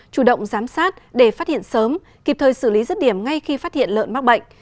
chủ động giám sát để phát hiện sớm kịp thời xử lý rứt điểm ngay khi phát hiện lợn mắc bệnh